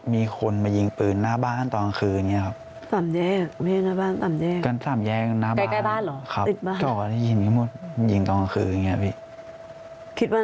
มีคนมายิงปืนหน้าบ้านตอนกลางคืนอย่างนี้ครับ